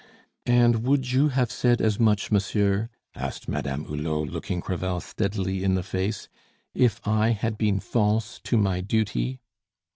"And would you have said as much, monsieur," asked Madame Hulot, looking Crevel steadily in the face, "if I had been false to my duty?"